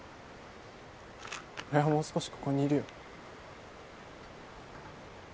俺はもう少しここにいるよ。